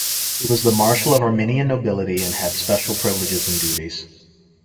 He was the marshal of Armenian nobility and had special privileges and duties.